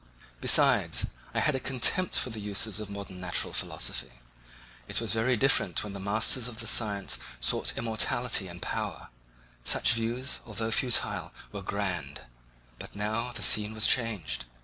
Besides, I had a contempt for the uses of modern natural philosophy. It was very different when the masters of the science sought immortality and power; such views, although futile, were grand; but now the scene was changed.